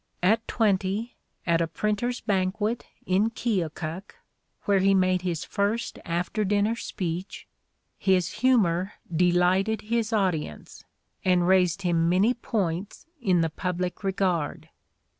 At twenty, at a printers' banquet in Keokuk, where he made his first after dinner speech, his humor "delighted his audience, and raised him many points in the public regard."